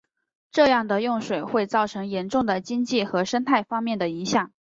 这样的用水会造成严重的经济和生态方面的影响。